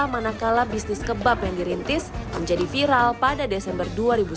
manakala bisnis kebab yang dirintis menjadi viral pada desember dua ribu sembilan belas